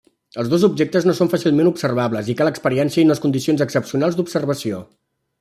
Els dos objectes no són fàcilment observables i cal experiència i unes condicions excepcionals d'observació.